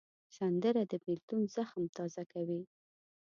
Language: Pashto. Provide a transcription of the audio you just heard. سندره د بېلتون زخم تازه کوي